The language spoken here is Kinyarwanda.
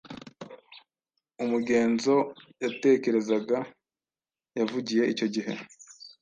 Umugenzo yatekerezaga yavugiye icyo gihe